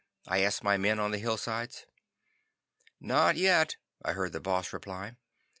I asked my men on the hillsides. "Not yet," I heard the Boss reply.